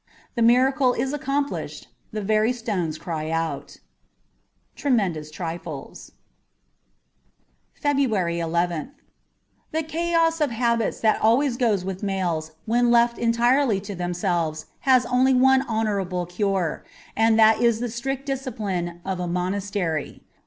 The miracle is accomplished ; the very stones cry out. ' Tremendous Tnftes^ 46 FEBRUARY nth THE chaos of habits that always goes with males when left entirely to themselves has only one honourable cure ; and that is the strict discipline of a monastery.